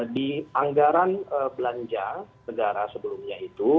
di anggaran belanja negara sebelumnya itu